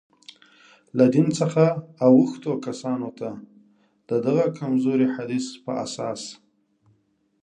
له دین څخه اوښتو کسانو ته، د دغه کمزوري حدیث په اساس.